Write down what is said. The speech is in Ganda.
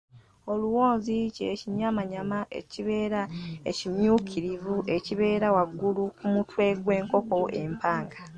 Oluwonzi kye kinyamanyama ekibeera ekimyukirivu ekibeera waggulu ku mutwe gw’enkoko empanga.